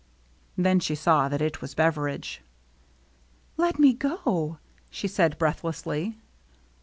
Then she saw that it was Beveridge. " Let me go !" she said breathlessly.